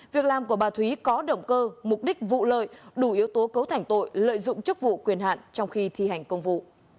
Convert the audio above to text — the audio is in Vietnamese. việc làm của bà thúy có động cơ mục đích vụ lợi đủ yếu tố cấu thành tội lợi dụng chức vụ quyền hạn trong khi thi hành công vụ